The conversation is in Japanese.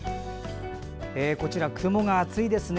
こちら、雲が厚いですね。